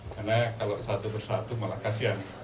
karena kalau satu persatu malah kasihan